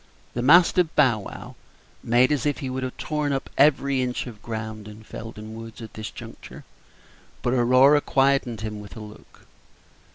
The mastiff Bow wow made as if he would have torn up every inch of ground in Felden Woods at this juncture; but Aurora quieted him with a look.